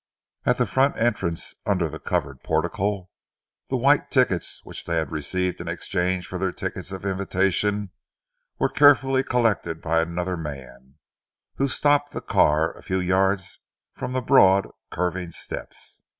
At the front entrance, under the covered portico, the white tickets which they had received in exchange for their tickets of invitation, were carefully collected by another man, who stopped the car a few yards from the broad, curving steps.